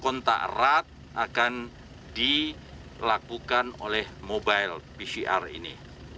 kontak erat akan dilakukan oleh mobile pcr ini